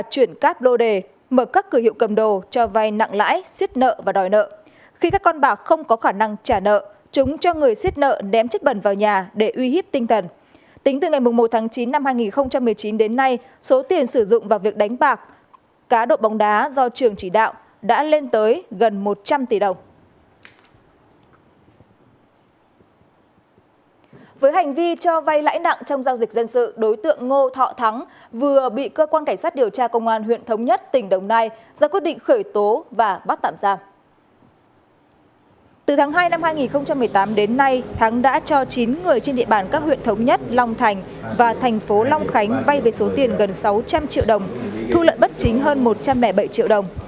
từ tháng hai năm hai nghìn một mươi tám đến nay thắng đã cho chín người trên địa bàn các huyện thống nhất long thành và thành phố long khánh vay về số tiền gần sáu trăm linh triệu đồng thu lợi bất chính hơn một trăm linh bảy triệu đồng